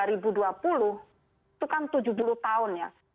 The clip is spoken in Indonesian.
itu kan tujuh puluh tahun ya